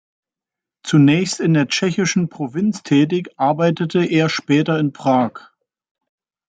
Zunächst in der tschechischen Provinz tätig, arbeitete er später in Prag.